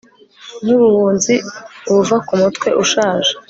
Nkubuhunzi buva kumutwe ushaje